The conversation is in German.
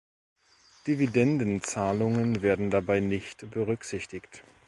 Dividendenzahlungen werden dabei nicht berücksichtigt.